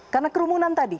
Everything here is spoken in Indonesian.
karena kerumunan tadi